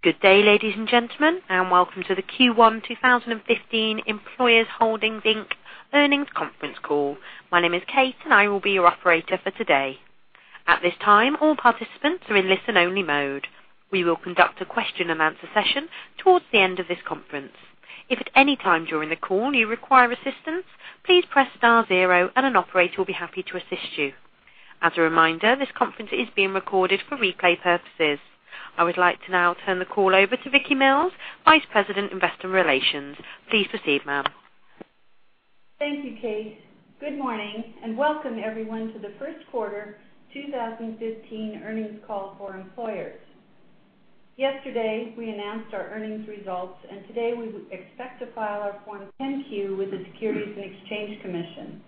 Good day, ladies and gentlemen, and welcome to the Q1 2015 Employers Holdings Inc. earnings conference call. My name is Kate and I will be your operator for today. At this time, all participants are in listen-only mode. We will conduct a question-and-answer session towards the end of this conference. If at any time during the call you require assistance, please press star zero and an operator will be happy to assist you. As a reminder, this conference is being recorded for replay purposes. I would like to now turn the call over to Vicki Mills, Vice President, Investor Relations. Please proceed, ma'am. Thank you, Kate. Good morning and welcome everyone to the first quarter 2015 earnings call for Employers. Yesterday, we announced our earnings results. Today we expect to file our Form 10-Q with the Securities and Exchange Commission.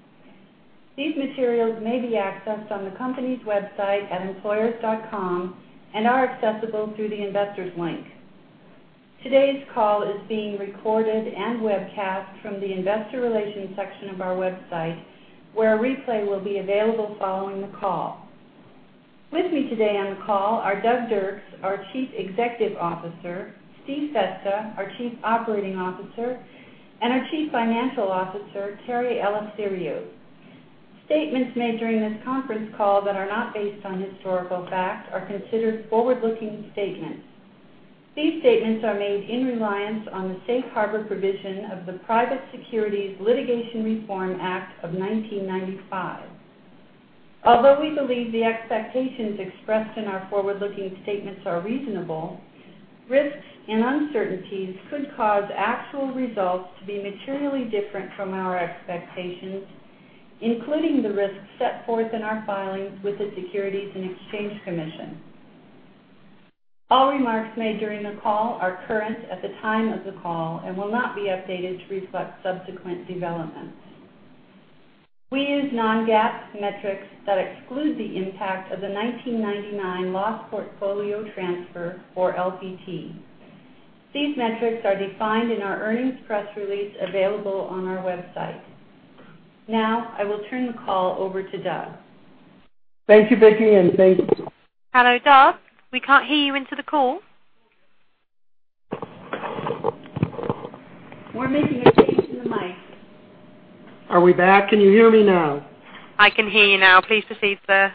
These materials may be accessed on the company's website at employers.com and are accessible through the investors link. Today's call is being recorded and webcast from the Investor Relations section of our website, where a replay will be available following the call. With me today on the call are Douglas Dirks, our Chief Executive Officer, Stephen Festa, our Chief Operating Officer, and our Chief Financial Officer, Terry Eleftheriou. Statements made during this conference call that are not based on historical fact are considered forward-looking statements. These statements are made in reliance on the safe harbor provision of the Private Securities Litigation Reform Act of 1995. Although we believe the expectations expressed in our forward-looking statements are reasonable, risks and uncertainties could cause actual results to be materially different from our expectations, including the risks set forth in our filings with the Securities and Exchange Commission. All remarks made during the call are current at the time of the call and will not be updated to reflect subsequent developments. We use non-GAAP metrics that exclude the impact of the 1999 loss portfolio transfer, or LPT. These metrics are defined in our earnings press release available on our website. I will turn the call over to Doug. Thank you, Vicki. Hello, Doug, we can't hear you into the call. We're making a change to the mic. Are we back? Can you hear me now? I can hear you now. Please proceed, sir.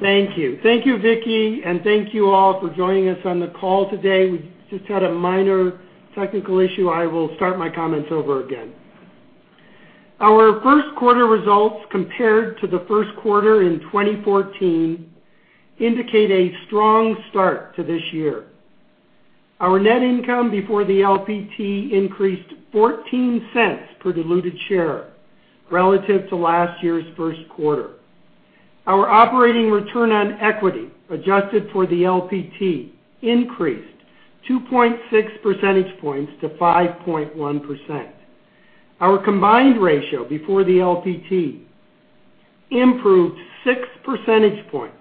Thank you. Thank you, Vicki, and thank you all for joining us on the call today. We just had a minor technical issue. I will start my comments over again. Our first quarter results compared to the first quarter in 2014 indicate a strong start to this year. Our net income before the LPT increased $0.14 per diluted share relative to last year's first quarter. Our operating return on equity, adjusted for the LPT, increased 2.6 percentage points to 5.1%. Our combined ratio before the LPT improved six percentage points,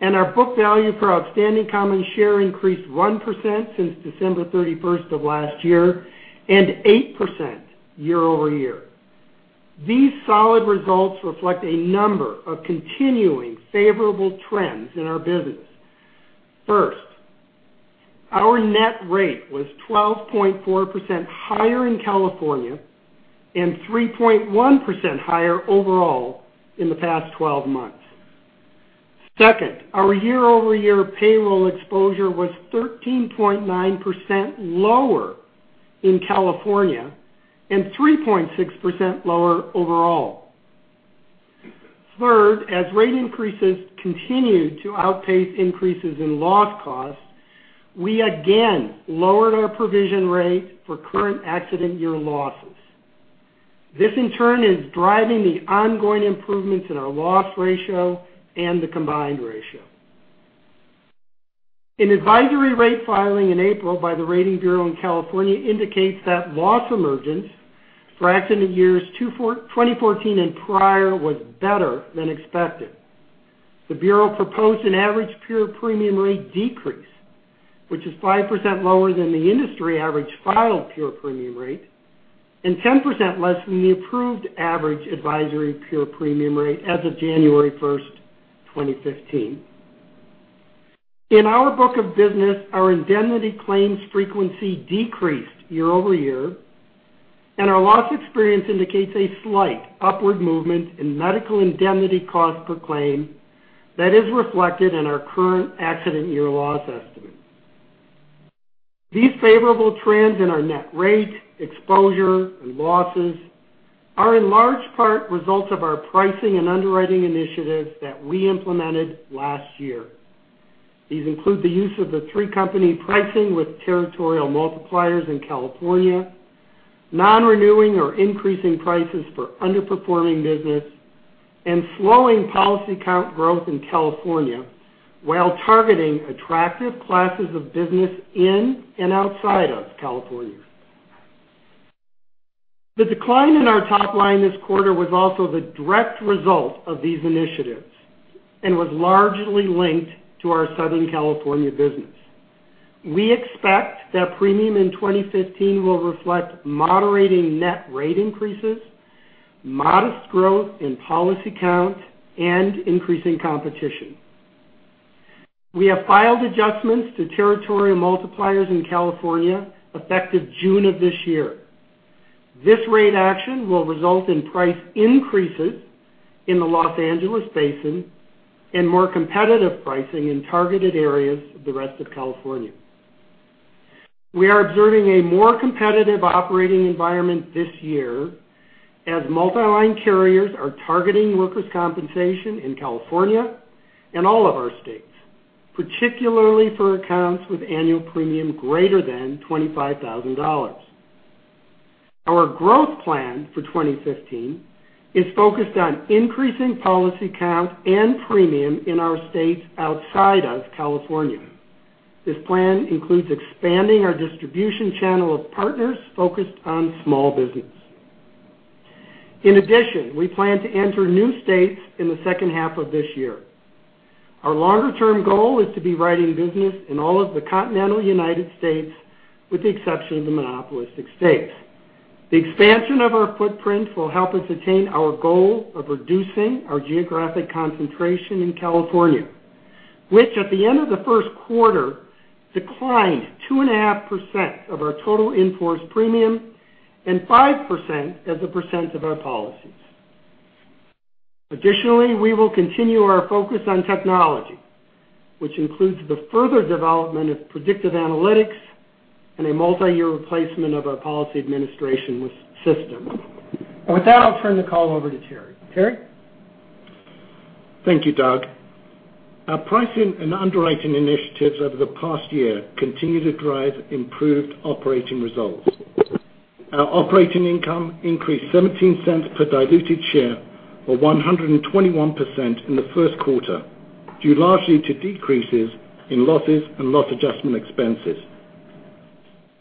and our book value per outstanding common share increased 1% since December 31st of last year and 8% year-over-year. These solid results reflect a number of continuing favorable trends in our business. First, our net rate was 12.4% higher in California and 3.1% higher overall in the past 12 months. Second, our year-over-year payroll exposure was 13.9% lower in California and 3.6% lower overall. Third, as rate increases continued to outpace increases in loss costs, we again lowered our provision rate for current accident year losses. This, in turn, is driving the ongoing improvements in our loss ratio and the combined ratio. An advisory rate filing in April by the Rating Bureau in California indicates that loss emergence for accident years 2014 and prior was better than expected. The Bureau proposed an average pure premium rate decrease, which is 5% lower than the industry average filed pure premium rate and 10% less than the approved average advisory pure premium rate as of January 1st, 2015. In our book of business, our indemnity claims frequency decreased year-over-year, and our loss experience indicates a slight upward movement in medical indemnity cost per claim that is reflected in our current accident year loss estimate. These favorable trends in our net rate, exposure, and losses are in large part results of our pricing and underwriting initiatives that we implemented last year. These include the use of the three-company pricing with territorial multipliers in California, non-renewing or increasing prices for underperforming business, and slowing policy count growth in California while targeting attractive classes of business in and outside of California. The decline in our top line this quarter was also the direct result of these initiatives and was largely linked to our Southern California business. We expect that premium in 2015 will reflect moderating net rate increases, modest growth in policy count and increasing competition. We have filed adjustments to territorial multipliers in California effective June of this year. This rate action will result in price increases in the Los Angeles Basin and more competitive pricing in targeted areas of the rest of California. We are observing a more competitive operating environment this year as multi-line carriers are targeting workers' compensation in California and all of our states, particularly for accounts with annual premium greater than $25,000. Our growth plan for 2015 is focused on increasing policy count and premium in our states outside of California. This plan includes expanding our distribution channel of partners focused on small business. In addition, we plan to enter new states in the second half of this year. Our longer-term goal is to be writing business in all of the continental U.S., with the exception of the monopolistic states. The expansion of our footprint will help us attain our goal of reducing our geographic concentration in California, which at the end of the first quarter, declined 2.5% of our total in-force premium and 5% as a percent of our policies. Additionally, we will continue our focus on technology, which includes the further development of predictive analytics and a multi-year replacement of our policy administration system. With that, I'll turn the call over to Terry. Terry? Thank you, Doug. Our pricing and underwriting initiatives over the past year continue to drive improved operating results. Our operating income increased $0.17 per diluted share, or 121% in the first quarter, due largely to decreases in losses and loss adjustment expenses.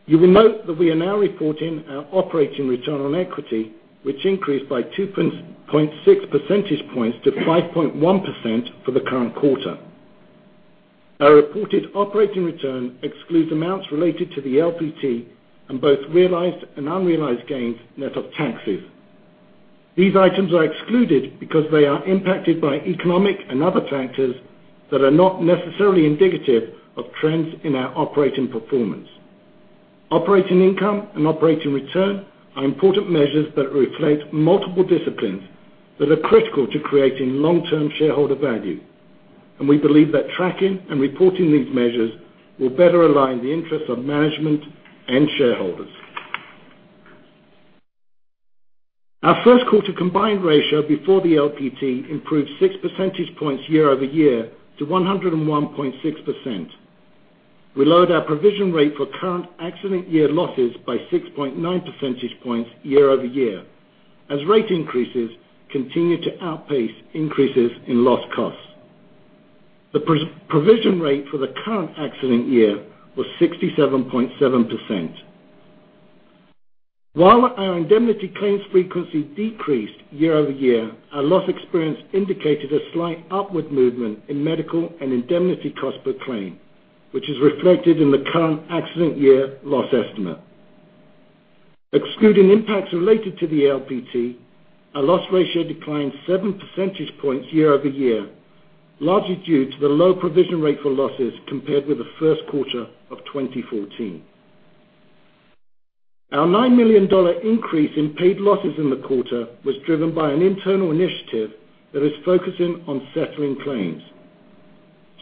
You will note that we are now reporting our operating return on equity, which increased by 2.6 percentage points to 5.1% for the current quarter. Our reported operating return excludes amounts related to the LPT and both realized and unrealized gains net of taxes. These items are excluded because they are impacted by economic and other factors that are not necessarily indicative of trends in our operating performance. Operating income and operating return are important measures that reflect multiple disciplines that are critical to creating long-term shareholder value. We believe that tracking and reporting these measures will better align the interests of management and shareholders. Our first quarter combined ratio before the LPT improved six percentage points year-over-year to 101.6%. We lowered our provision rate for current accident year losses by 6.9 percentage points year-over-year as rate increases continue to outpace increases in loss costs. The provision rate for the current accident year was 67.7%. While our indemnity claims frequency decreased year-over-year, our loss experience indicated a slight upward movement in medical and indemnity cost per claim, which is reflected in the current accident year loss estimate. Excluding impacts related to the LPT, our loss ratio declined seven percentage points year-over-year, largely due to the low provision rate for losses compared with the first quarter of 2014. Our $9 million increase in paid losses in the quarter was driven by an internal initiative that is focusing on settling claims.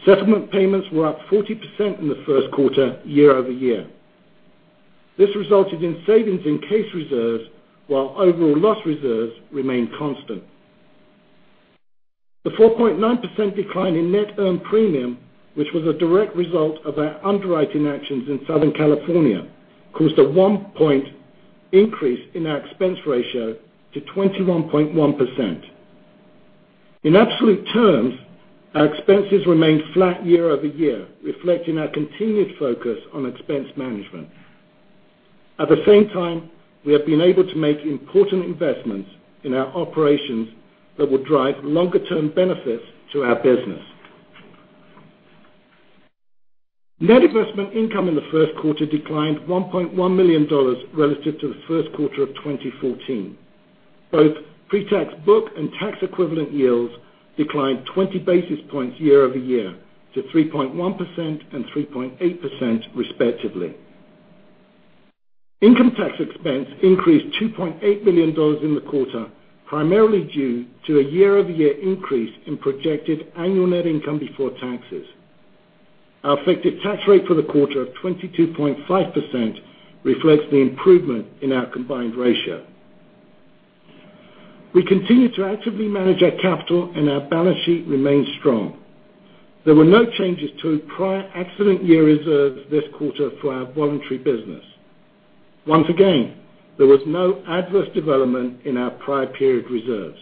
Settlement payments were up 40% in the first quarter year-over-year. This resulted in savings in case reserves, while overall loss reserves remained constant. The 4.9% decline in net earned premium, which was a direct result of our underwriting actions in Southern California, caused a 1% increase in our expense ratio to 21.1%. In absolute terms, our expenses remained flat year-over-year, reflecting our continued focus on expense management. At the same time, we have been able to make important investments in our operations that will drive longer-term benefits to our business. Net investment income in the first quarter declined $1.1 million relative to the first quarter of 2014. Both pre-tax book and tax equivalent yields declined 20 basis points year-over-year to 3.1% and 3.8%, respectively. Income tax expense increased $2.8 million in the quarter, primarily due to a year-over-year increase in projected annual net income before taxes. Our effective tax rate for the quarter of 22.5% reflects the improvement in our combined ratio. We continue to actively manage our capital, and our balance sheet remains strong. There were no changes to prior accident year reserves this quarter for our voluntary business. Once again, there was no adverse development in our prior period reserves.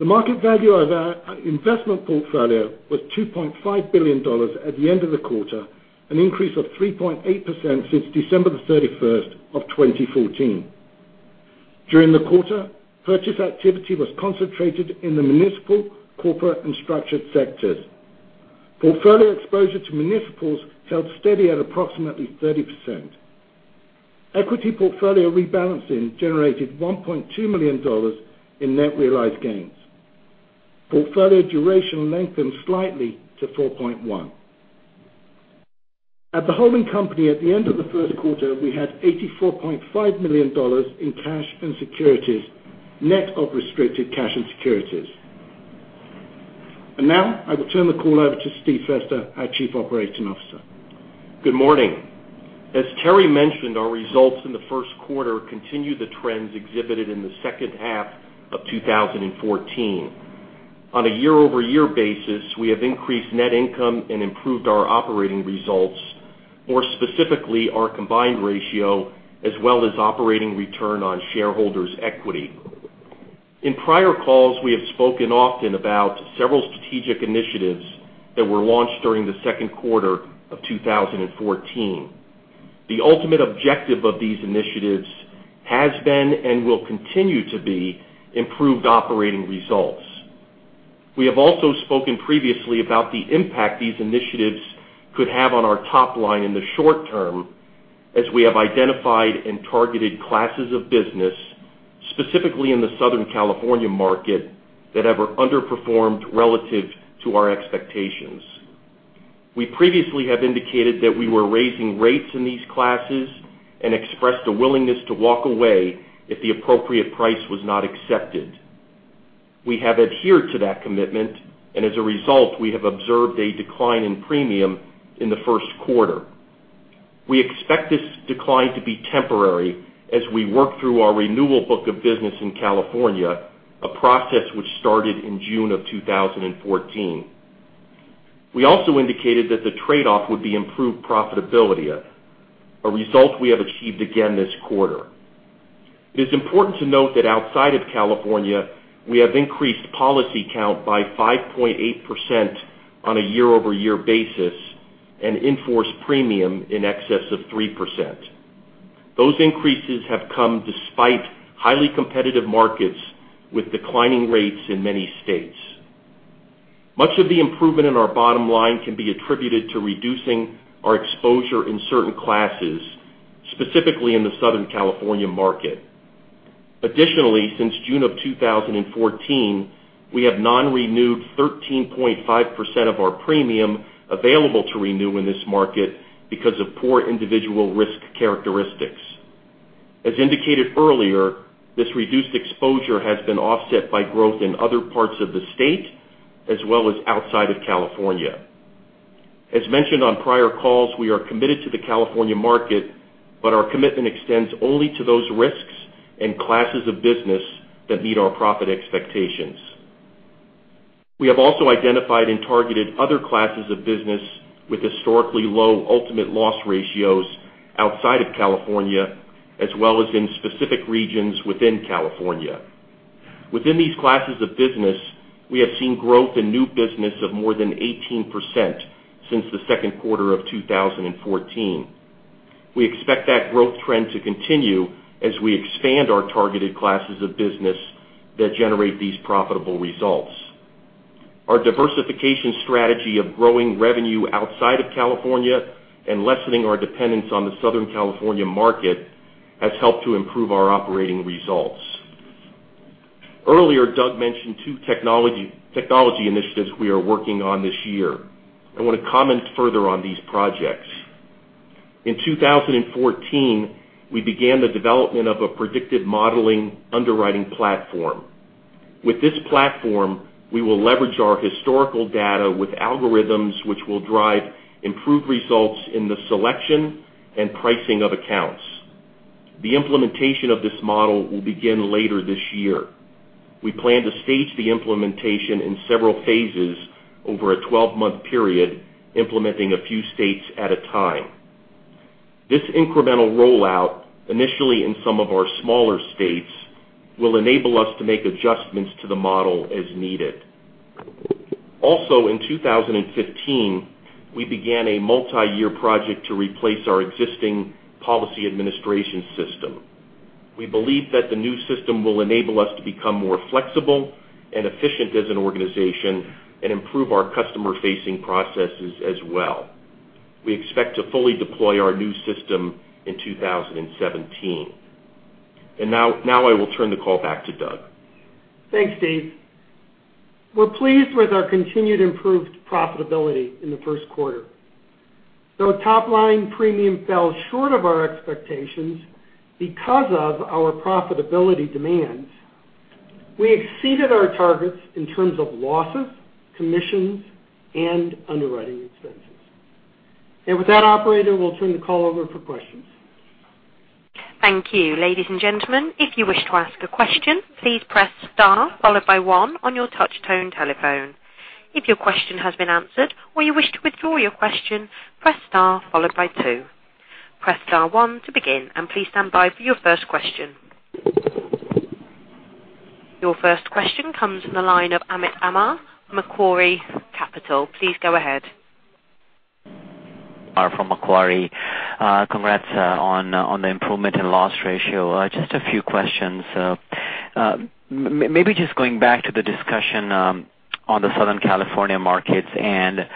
The market value of our investment portfolio was $2.5 billion at the end of the quarter, an increase of 3.8% since December the 31st of 2014. During the quarter, purchase activity was concentrated in the municipal, corporate, and structured sectors. Portfolio exposure to municipals held steady at approximately 30%. Equity portfolio rebalancing generated $1.2 million in net realized gains. Portfolio duration lengthened slightly to 4.1. At the holding company at the end of the first quarter, we had $84.5 million in cash and securities, net of restricted cash and securities. Now I will turn the call over to Steve Festa, our Chief Operating Officer. Good morning. As Terry mentioned, our results in the first quarter continue the trends exhibited in the second half of 2014. On a year-over-year basis, we have increased net income and improved our operating results, more specifically our combined ratio as well as operating return on shareholders' equity. In prior calls, we have spoken often about several strategic initiatives that were launched during the second quarter of 2014. The ultimate objective of these initiatives has been and will continue to be improved operating results. We have also spoken previously about the impact these initiatives could have on our top line in the short term as we have identified and targeted classes of business, specifically in the Southern California market, that have underperformed relative to our expectations. We previously have indicated that we were raising rates in these classes and expressed a willingness to walk away if the appropriate price was not accepted. We have adhered to that commitment, and as a result, we have observed a decline in premium in the first quarter. We expect this decline to be temporary as we work through our renewal book of business in California, a process which started in June of 2014. We also indicated that the trade-off would be improved profitability, a result we have achieved again this quarter. It is important to note that outside of California, we have increased policy count by 5.8% on a year-over-year basis and in-force premium in excess of 3%. Those increases have come despite highly competitive markets with declining rates in many states. Much of the improvement in our bottom line can be attributed to reducing our exposure in certain classes, specifically in the Southern California market. Additionally, since June of 2014, we have non-renewed 13.5% of our premium available to renew in this market because of poor individual risk characteristics. As indicated earlier, this reduced exposure has been offset by growth in other parts of the state, as well as outside of California. As mentioned on prior calls, we are committed to the California market, but our commitment extends only to those risks and classes of business that meet our profit expectations. We have also identified and targeted other classes of business with historically low ultimate loss ratios outside of California as well as in specific regions within California. Within these classes of business, we have seen growth in new business of more than 18% since the second quarter of 2014. We expect that growth trend to continue as we expand our targeted classes of business that generate these profitable results. Our diversification strategy of growing revenue outside of California and lessening our dependence on the Southern California market has helped to improve our operating results. Earlier, Doug mentioned two technology initiatives we are working on this year. I want to comment further on these projects. In 2014, we began the development of a predictive modeling underwriting platform. With this platform, we will leverage our historical data with algorithms which will drive improved results in the selection and pricing of accounts. The implementation of this model will begin later this year. We plan to stage the implementation in several phases over a 12-month period, implementing a few states at a time. This incremental rollout, initially in some of our smaller states, will enable us to make adjustments to the model as needed. Also in 2015, we began a multi-year project to replace our existing policy administration system. We believe that the new system will enable us to become more flexible and efficient as an organization and improve our customer-facing processes as well. We expect to fully deploy our new system in 2017. Now I will turn the call back to Doug. Thanks, Steve. We're pleased with our continued improved profitability in the first quarter. Though top-line premium fell short of our expectations because of our profitability demands, we exceeded our targets in terms of losses, commissions, and underwriting expenses. With that operator, we'll turn the call over for questions. Thank you. Ladies and gentlemen, if you wish to ask a question, please press star followed by one on your touch tone telephone. If your question has been answered or you wish to withdraw your question, press star followed by two. Press star one to begin, and please stand by for your first question. Your first question comes from the line of Amit Kumar, Macquarie Capital. Please go ahead. From Macquarie. Congrats on the improvement in loss ratio. Just a few questions. Maybe just going back to the discussion on the Southern California markets and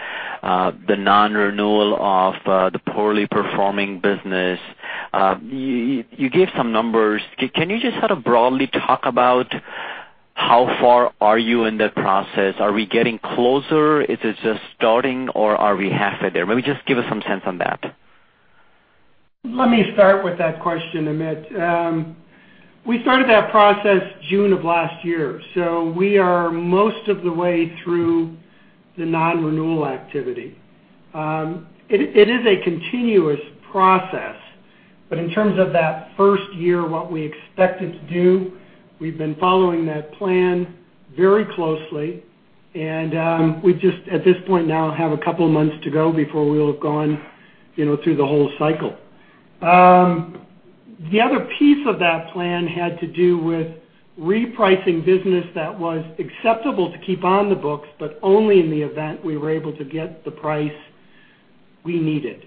the non-renewal of the poorly performing business. You gave some numbers. Can you just sort of broadly talk about how far are you in that process? Are we getting closer? Is it just starting, or are we halfway there? Maybe just give us some sense on that. Let me start with that question, Amit. We started that process June of last year, so we are most of the way through the non-renewal activity. It is a continuous process, but in terms of that first year, what we expected to do, we've been following that plan very closely. We just, at this point now, have a couple of months to go before we'll have gone through the whole cycle. The other piece of that plan had to do with repricing business that was acceptable to keep on the books, but only in the event we were able to get the price we needed.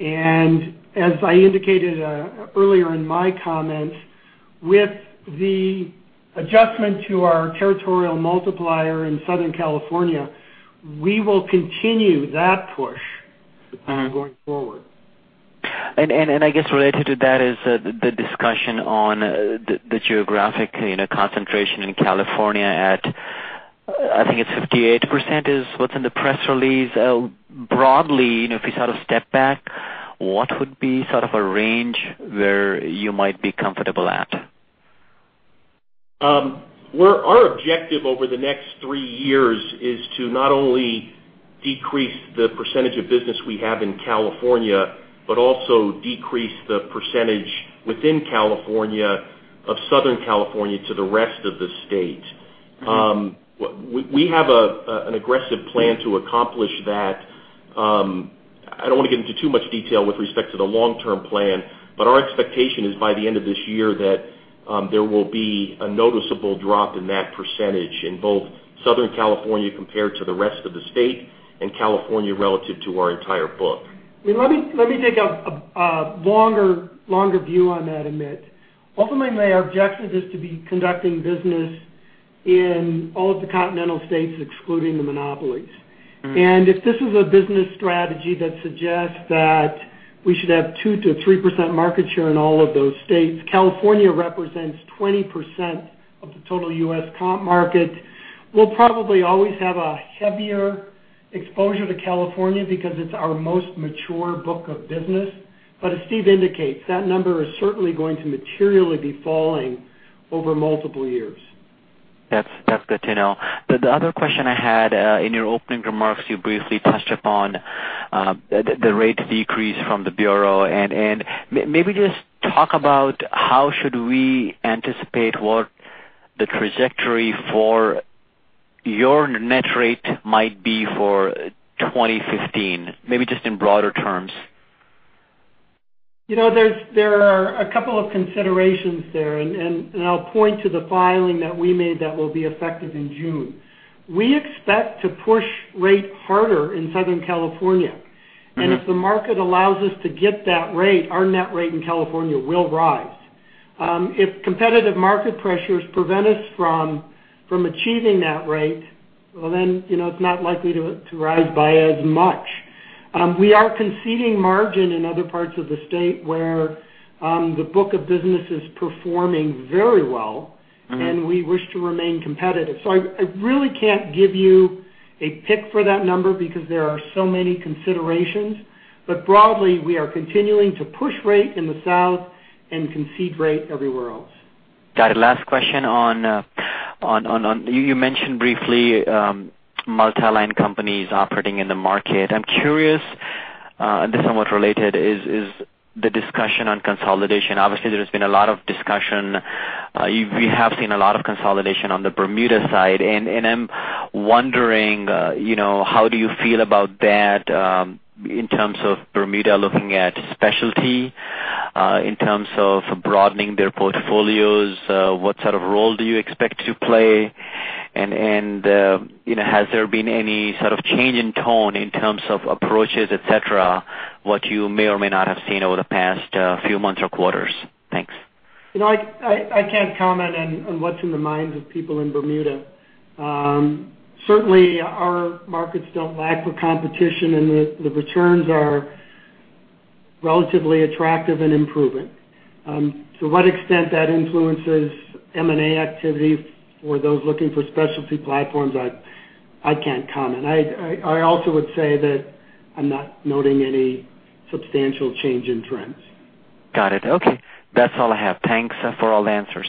As I indicated earlier in my comments, with the adjustment to our territorial multiplier in Southern California, we will continue that push going forward. I guess related to that is the discussion on the geographic concentration in California at, I think it's 58%, is what's in the press release. Broadly, if we step back, what would be a range where you might be comfortable at? Our objective over the next three years is to not only decrease the percentage of business we have in California, but also decrease the percentage within California of Southern California to the rest of the state. We have an aggressive plan to accomplish that. I don't want to get into too much detail with respect to the long-term plan, but our expectation is by the end of this year that there will be a noticeable drop in that percentage in both Southern California compared to the rest of the state and California relative to our entire book. Let me take a longer view on that, Amit. Ultimately, our objective is to be conducting business in all of the continental states, excluding the monopolies. If this is a business strategy that suggests that we should have 2%-3% market share in all of those states, California represents 20% of the total U.S. comp market. We'll probably always have a heavier exposure to California because it's our most mature book of business. As Steve indicates, that number is certainly going to materially be falling over multiple years. That's good to know. The other question I had, in your opening remarks, you briefly touched upon the rate decrease from the Bureau. Maybe just talk about how should we anticipate what the trajectory for your net rate might be for 2015, maybe just in broader terms. There are a couple of considerations there. I'll point to the filing that we made that will be effective in June. We expect to push rate harder in Southern California. If the market allows us to get that rate, our net rate in California will rise. If competitive market pressures prevent us from achieving that rate, well, it's not likely to rise by as much. We are conceding margin in other parts of the state where the book of business is performing very well. We wish to remain competitive. I really can't give you a pick for that number because there are so many considerations. Broadly, we are continuing to push rate in the South and concede rate everywhere else. Got it. Last question on, you mentioned briefly multi-line companies operating in the market. I'm curious, this is somewhat related, is the discussion on consolidation. Obviously, there's been a lot of discussion. We have seen a lot of consolidation on the Bermuda side. I'm wondering how do you feel about that in terms of Bermuda looking at specialty, in terms of broadening their portfolios. What sort of role do you expect to play? Has there been any sort of change in tone in terms of approaches, et cetera, what you may or may not have seen over the past few months or quarters? Thanks. I can't comment on what's in the minds of people in Bermuda. Certainly, our markets don't lack for competition, and the returns are relatively attractive and improving. To what extent that influences M&A activity for those looking for specialty platforms, I can't comment. I also would say that I'm not noting any substantial change in trends. Got it. Okay. That's all I have. Thanks for all the answers.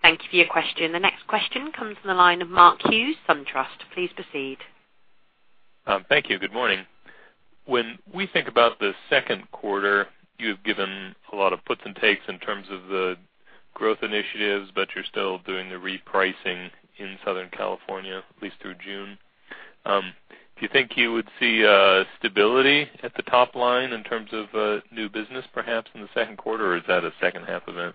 Thank you for your question. The next question comes from the line of Mark Hughes, SunTrust. Please proceed. Thank you. Good morning. When we think about the second quarter, you've given a lot of puts and takes in terms of the growth initiatives, but you're still doing the repricing in Southern California, at least through June. Do you think you would see stability at the top line in terms of new business, perhaps, in the second quarter, or is that a second half event?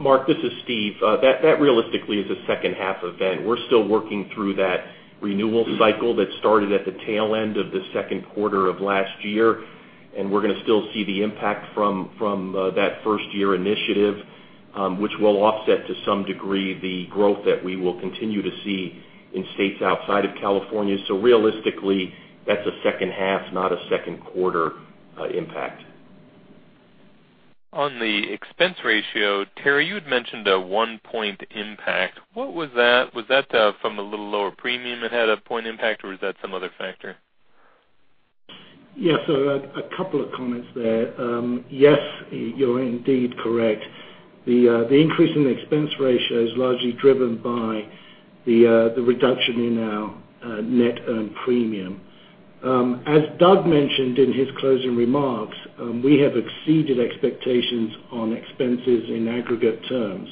Mark, this is Steve. That realistically is a second half event. We're still working through that renewal cycle that started at the tail end of the second quarter of last year, and we're going to still see the impact from that first-year initiative, which will offset to some degree the growth that we will continue to see in states outside of California. Realistically, that's a second half, not a second quarter impact. On the expense ratio, Terry, you had mentioned a one-point impact. What was that? Was that from a little lower premium that had a point impact, or was that some other factor? Yes. A couple of comments there. Yes, you're indeed correct. The increase in the expense ratio is largely driven by the reduction in our net earned premium. As Doug mentioned in his closing remarks, we have exceeded expectations on expenses in aggregate terms.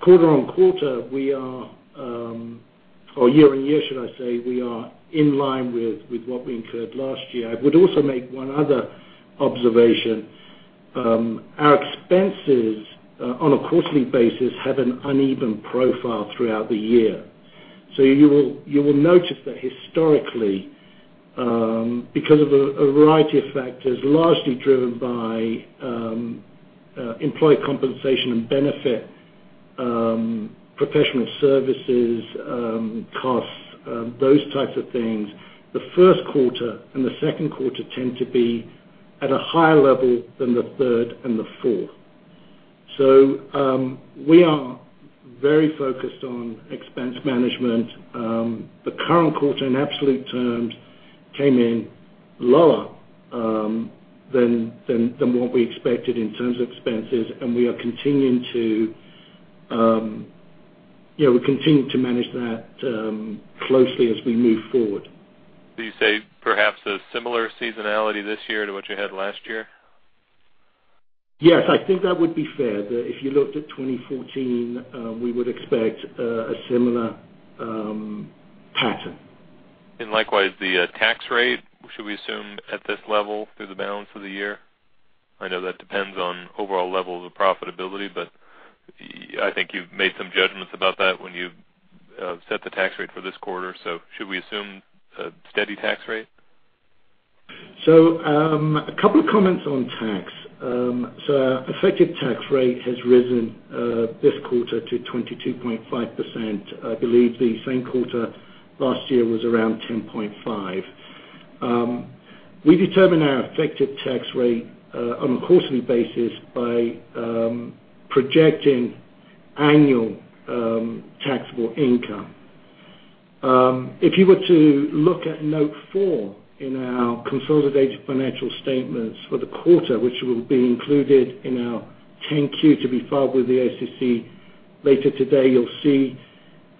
Quarter-on-quarter, or year-on-year, should I say, we are in line with what we incurred last year. I would also make one other observation. Our expenses on a quarterly basis have an uneven profile throughout the year. You will notice that historically, because of a variety of factors, largely driven by employee compensation and benefit, professional services, costs, those types of things. The first quarter and the second quarter tend to be at a higher level than the third and the fourth. We are very focused on expense management. The current quarter in absolute terms came in lower than what we expected in terms of expenses. We are continuing to manage that closely as we move forward. You say perhaps a similar seasonality this year to what you had last year? Yes, I think that would be fair, that if you looked at 2014, we would expect a similar pattern. Likewise, the tax rate, should we assume at this level through the balance of the year? I know that depends on overall levels of profitability, but I think you've made some judgments about that when you set the tax rate for this quarter. Should we assume a steady tax rate? A couple of comments on tax. Our effective tax rate has risen this quarter to 22.5%. I believe the same quarter last year was around 10.5%. We determine our effective tax rate on a quarterly basis by projecting annual taxable income. If you were to look at note four in our consolidated financial statements for the quarter, which will be included in our 10-Q to be filed with the SEC later today, you'll see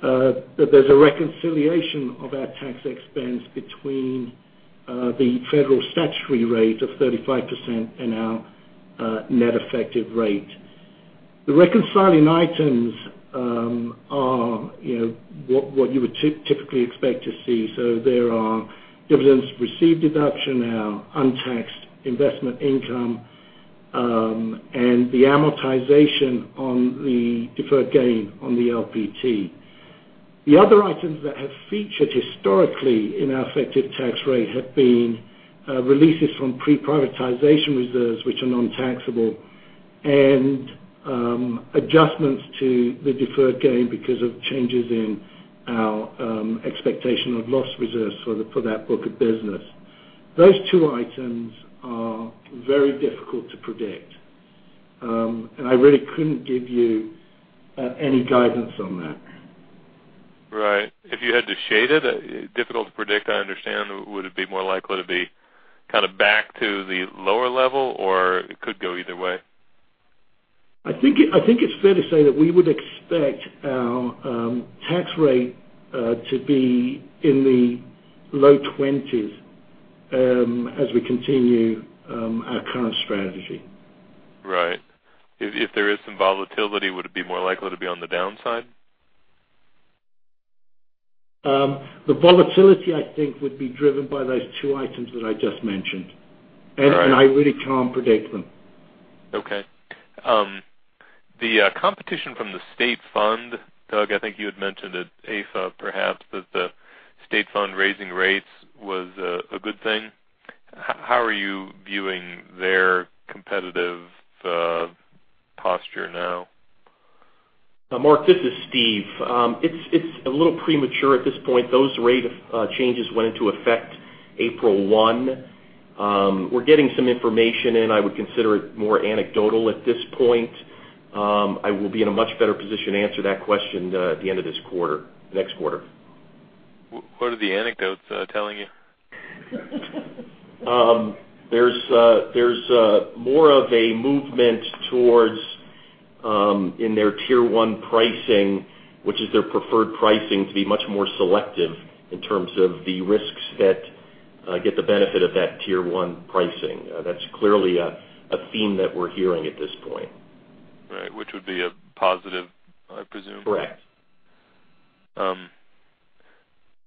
that there's a reconciliation of our tax expense between the federal statutory rate of 35% and our net effective rate. The reconciling items are what you would typically expect to see. There are dividends received deduction, our untaxed investment income, and the amortization on the deferred gain on the LPT. The other items that have featured historically in our effective tax rate have been releases from pre-privatization reserves, which are nontaxable, and adjustments to the deferred gain because of changes in our expectation of loss reserves for that book of business. Those two items are very difficult to predict. I really couldn't give you any guidance on that. Right. If you had to shade it, difficult to predict, I understand, would it be more likely to be kind of back to the lower level, or it could go either way? I think it's fair to say that we would expect our tax rate to be in the low twenties as we continue our current strategy. Right. If there is some volatility, would it be more likely to be on the downside? The volatility, I think, would be driven by those two items that I just mentioned. All right. I really can't predict them. Okay. The competition from the state fund, Doug, I think you had mentioned at AIFA perhaps that the state fund raising rates was a good thing. How are you viewing their competitive posture now? Mark, this is Steve. It's a little premature at this point. Those rate changes went into effect April one. We're getting some information in. I would consider it more anecdotal at this point. I will be in a much better position to answer that question at the end of this quarter, next quarter. What are the anecdotes telling you? There's more of a movement towards in their tier 1 pricing, which is their preferred pricing to be much more selective in terms of the risks that get the benefit of that tier 1 pricing. That's clearly a theme that we're hearing at this point. Right, which would be a positive, I presume? Correct.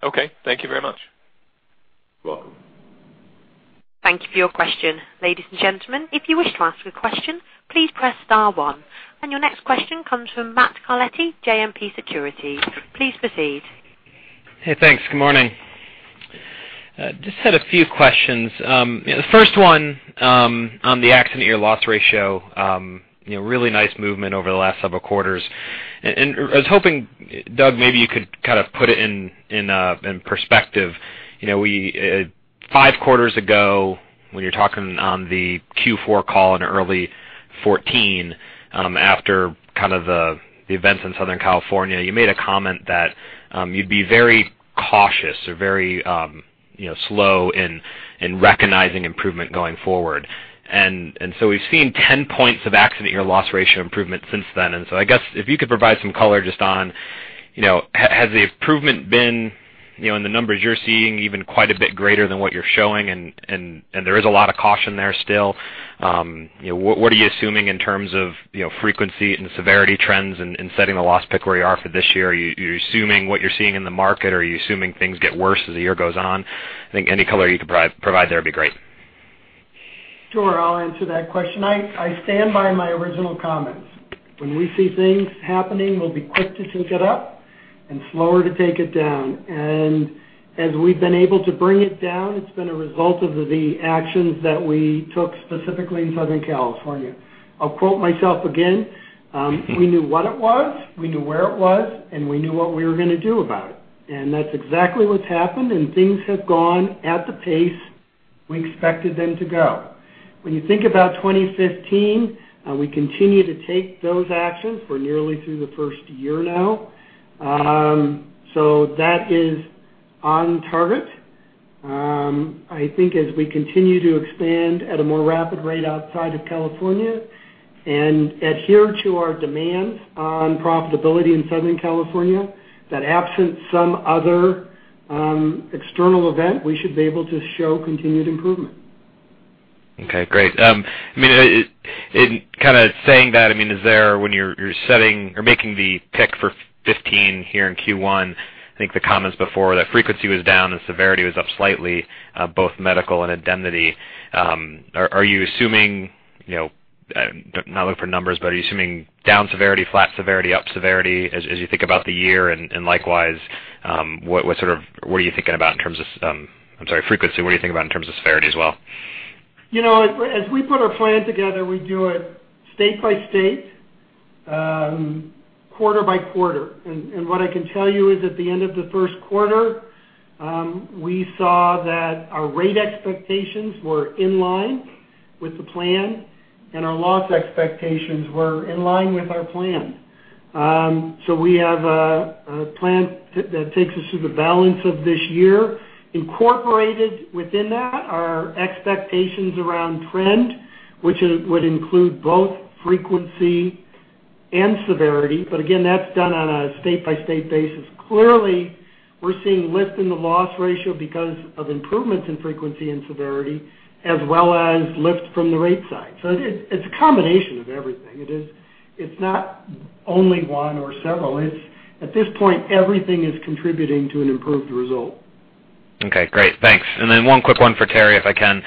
Okay. Thank you very much. You're welcome. Thank you for your question. Ladies and gentlemen, if you wish to ask a question, please press star one. Your next question comes from Matthew Carletti, JMP Securities. Please proceed. Hey, thanks. Good morning. Just had a few questions. The first one on the accident year loss ratio, really nice movement over the last several quarters. I was hoping, Doug, maybe you could put it in perspective. Five quarters ago, when you were talking on the Q4 call in early 2014, after the events in Southern California, you made a comment that you'd be very cautious or very slow in recognizing improvement going forward. So we've seen 10 points of accident year loss ratio improvement since then. So I guess if you could provide some color just on, has the improvement been, in the numbers you're seeing, even quite a bit greater than what you're showing and there is a lot of caution there still? What are you assuming in terms of frequency and severity trends in setting the loss pick where you are for this year? Are you assuming what you're seeing in the market or are you assuming things get worse as the year goes on? I think any color you could provide there would be great. Sure. I'll answer that question. I stand by my original comments. When we see things happening, we'll be quick to sync it up and slower to take it down. As we've been able to bring it down, it's been a result of the actions that we took specifically in Southern California. I'll quote myself again. We knew what it was, we knew where it was, and we knew what we were going to do about it. That's exactly what's happened, and things have gone at the pace we expected them to go. When you think about 2015, we continue to take those actions. We're nearly through the first year now. That is on target. I think as we continue to expand at a more rapid rate outside of California and adhere to our demands on profitability in Southern California, that absent some other external event, we should be able to show continued improvement. Okay. Great. In saying that, when you're setting or making the pick for 2015 here in Q1, I think the comments before that frequency was down and severity was up slightly, both medical and indemnity. Are you assuming, not looking for numbers, but are you assuming down severity, flat severity, up severity as you think about the year? Likewise, what are you thinking about in terms of, I'm sorry, frequency? What do you think about in terms of severity as well? As we put our plan together, we do it state by state, quarter by quarter. What I can tell you is at the end of the first quarter, we saw that our rate expectations were in line with the plan and our loss expectations were in line with our plan. We have a plan that takes us through the balance of this year. Incorporated within that are expectations around trend, which would include both frequency and severity. Again, that's done on a state-by-state basis. Clearly, we're seeing lift in the loss ratio because of improvements in frequency and severity as well as lift from the rate side. It's a combination of everything. It's not only one or several. At this point, everything is contributing to an improved result. Okay, great. Thanks. One quick one for Terry, if I can.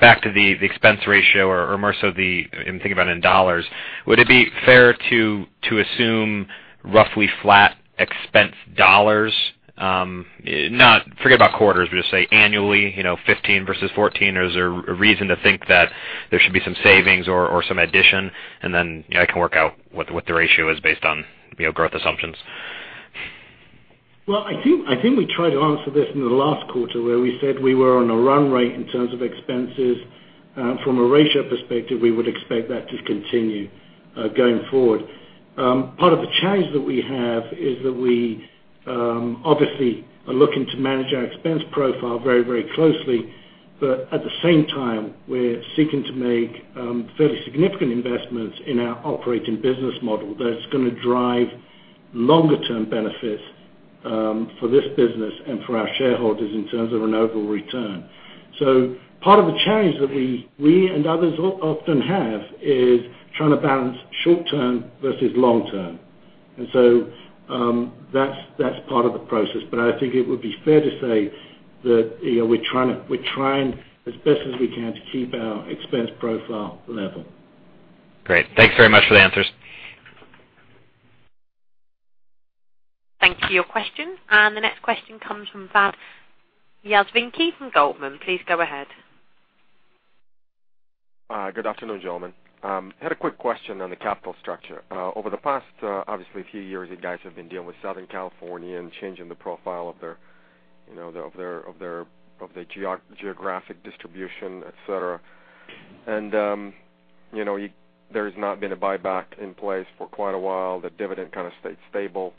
Back to the expense ratio or more so the, I'm thinking about in dollars. Would it be fair to assume roughly flat expense dollars? Forget about quarters, we just say annually, 2015 versus 2014. Is there a reason to think that there should be some savings or some addition? I can work out what the ratio is based on growth assumptions. Well, I think we tried to answer this in the last quarter where we said we were on a run rate in terms of expenses. From a ratio perspective, we would expect that to continue going forward. Part of the challenge that we have is that we obviously are looking to manage our expense profile very closely, but at the same time, we're seeking to make fairly significant investments in our operating business model that's going to drive longer term benefits for this business and for our shareholders in terms of an overall return. Part of the challenge that we and others often have is trying to balance short term versus long term. That's part of the process. I think it would be fair to say that we're trying as best as we can to keep our expense profile level. Great. Thanks very much for the answers. Thank you for your question. The next question comes from Vladislav Yeliseyev from Goldman. Please go ahead. Good afternoon, gentlemen. I had a quick question on the capital structure. Over the past, obviously a few years, you guys have been dealing with Southern California and changing the profile of the geographic distribution, et cetera. There's not been a buyback in place for quite a while. The dividend kind of stayed stable.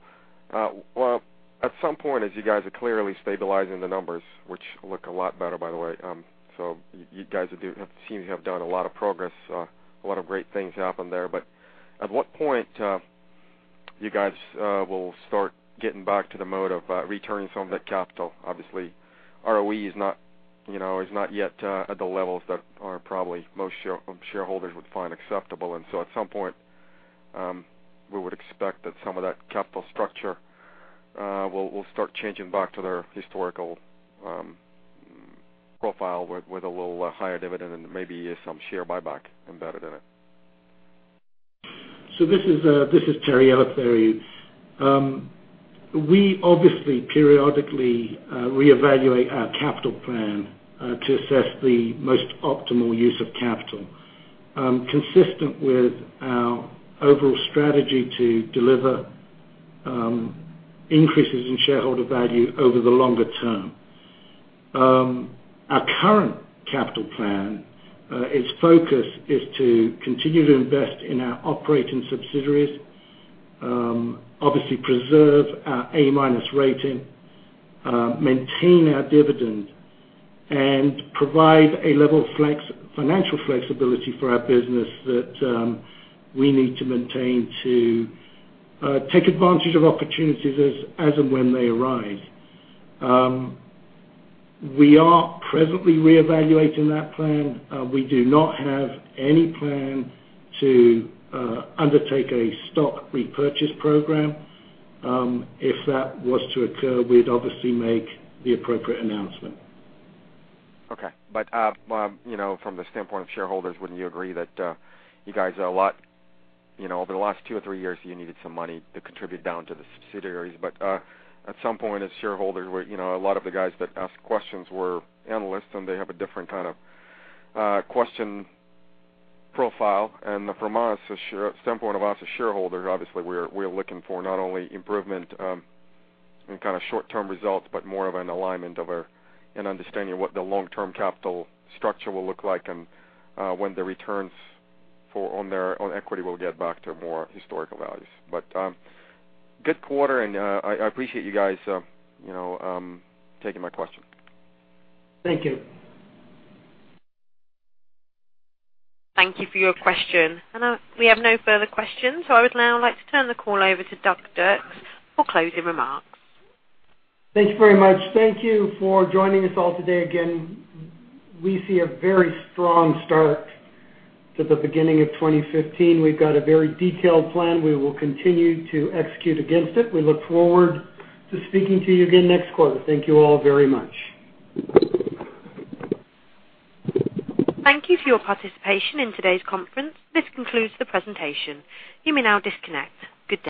At some point, as you guys are clearly stabilizing the numbers, which look a lot better, by the way. You guys seem to have done a lot of progress. A lot of great things happened there. At what point you guys will start getting back to the mode of returning some of that capital? Obviously, ROE is not yet at the levels that are probably most shareholders would find acceptable. We would expect that some of that capital structure will start changing back to their historical profile with a little higher dividend and maybe some share buyback embedded in it. This is Terry Eleftheriou. We obviously periodically reevaluate our capital plan to assess the most optimal use of capital, consistent with our overall strategy to deliver increases in shareholder value over the longer term. Our current capital plan, its focus is to continue to invest in our operating subsidiaries, obviously preserve our A- rating, maintain our dividend, and provide a level of financial flexibility for our business that we need to maintain to take advantage of opportunities as and when they arise. We are presently reevaluating that plan. We do not have any plan to undertake a stock repurchase program. If that was to occur, we'd obviously make the appropriate announcement. Okay. From the standpoint of shareholders, wouldn't you agree that you guys are over the last two or three years, you needed some money to contribute down to the subsidiaries. At some point as shareholders, a lot of the guys that asked questions were analysts, and they have a different kind of question profile. From the standpoint of us as shareholders, obviously, we're looking for not only improvement in short-term results, but more of an alignment of and understanding what the long-term capital structure will look like and when the returns on equity will get back to more historical values. Good quarter, and I appreciate you guys taking my question. Thank you. Thank you for your question. We have no further questions, I would now like to turn the call over to Doug Dirks for closing remarks. Thanks very much. Thank you for joining us all today. Again, we see a very strong start to the beginning of 2015. We've got a very detailed plan. We will continue to execute against it. We look forward to speaking to you again next quarter. Thank you all very much. Thank you for your participation in today's conference. This concludes the presentation. You may now disconnect. Good day.